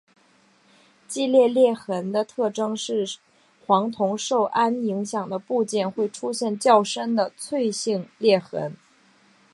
季裂裂痕的特征是黄铜受氨影响的部件会出现较深的脆性裂痕。